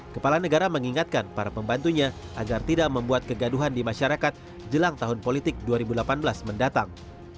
kepala negara mengingatkan para pembantunya agar tidak membuat kegaduhan di masyarakat jelang tahun politik dua ribu delapan belas mendatang